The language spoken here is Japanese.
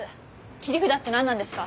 切り札ってなんなんですか？